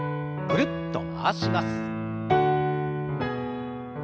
ぐるっと回します。